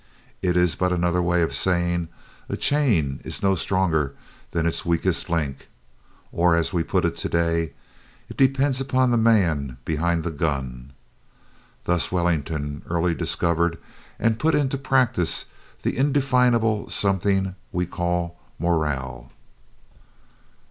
It is but another way of saying, "A chain is no stronger than its weakest link," or, as we put it today, "It depends upon the man behind the gun." Thus Wellington early discovered and put into practise that indefinable something we call "morale."